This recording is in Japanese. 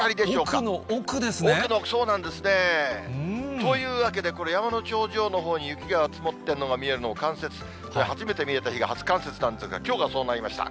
奥の奥、そうなんですね。というわけでこれ、山の頂上のほうに雪が積もってるのが見えるのを冠雪、初めて見えるのが初冠雪なんですが、きょうがそうなりました。